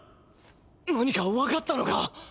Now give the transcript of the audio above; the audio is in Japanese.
何か分かったのか？